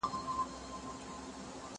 هغه څوک چي قلمان پاکوي روغ وي!!